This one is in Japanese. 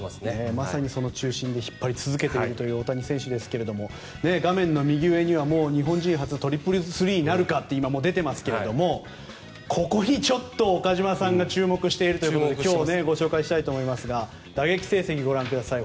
まさにその中心で引っ張り続けているという大谷選手ですが画面の右上には日本人初トリプルスリーなるかって今、出ていますけどここにちょっと、岡島さんが注目しているということで今日、ご紹介したいと思いますが打撃成績ご覧ください。